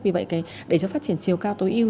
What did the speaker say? vì vậy để cho phát triển chiều cao tối ưu